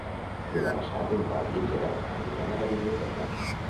Demà passat en Pau i en Gerard aniran a la biblioteca.